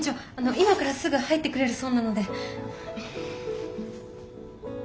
今からすぐ入ってくれるそうなので。